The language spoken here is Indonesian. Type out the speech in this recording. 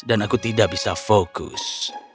dan aku tidak bisa fokus